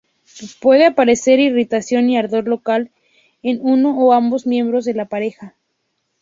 Puede aparecer irritación y ardor local en uno o ambos miembros de la pareja.